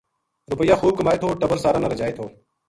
رُپیا خوب کمائے تھو ٹَبر سارا نا رجائے تھو